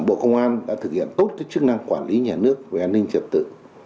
nổi bật là bộ công an đã thực hiện tốt các chức năng quản lý nhà nước về an ninh trật tự